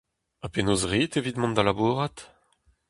Ha penaos 'rit evit mont da labourat ?